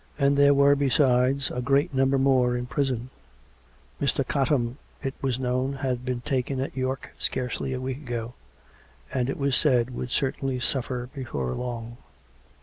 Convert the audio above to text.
And there were besides a great number more in prison — Mr. Cottam, it was known, had been taken at York, scarcely a week ago, and, it was said, would certainly suffer before long.